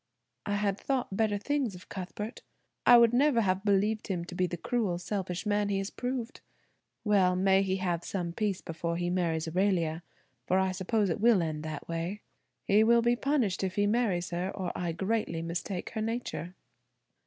"I had thought better things of Cuthbert. I would never have believed him to be the cruel, selfish man he has proved. Well, may he have some peace before he marries Aurelia, for I suppose it will end that way. He will be punished if he marries her or I greatly mistake her nature."